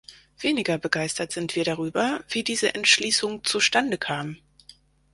Weniger begeistert sind wir darüber, wie diese Entschließung zustandekam.